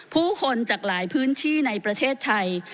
ผู้คนจากหลายพื้นที่ในประเทศไทย